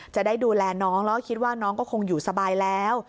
จะได้ดูแลน้องแล้วก็คิดว่าน้องก็คงอยู่สบายแล้ว